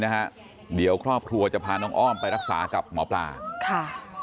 นะฮะเดี๋ยวครอบครัวจะพาน้องอ้อมไปรักษากับหมอปลาค่ะ